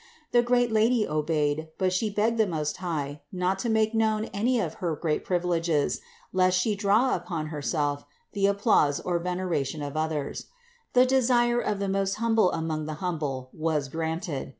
The great Lady obeyed, but She begged the Most High not to make known any of her great privileges, lest She draw upon Herself the applause or veneration of others. The desire of the most Hum ble among the humble was granted.